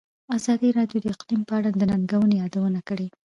ازادي راډیو د اقلیم په اړه د ننګونو یادونه کړې.